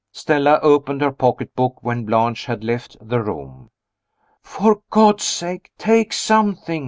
Stella opened her pocketbook when Blanche had left the room. "For God's sake, take something!"